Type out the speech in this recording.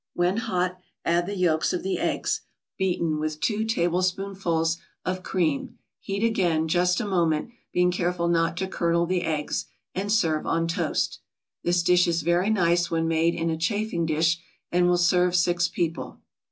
When hot, add the yolks of the eggs, beaten with two tablespoonfuls of cream. Heat again, just a moment, being careful not to curdle the eggs, and serve on toast. This dish is very nice when made in a chafing dish, and will serve six people.